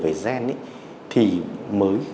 về gen thì mới